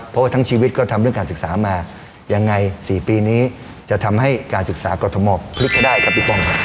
เพราะว่าทั้งชีวิตก็ทำเรื่องการศึกษามายังไง๔ปีนี้จะทำให้การศึกษากรทมพลิกก็ได้ครับพี่ป้องครับ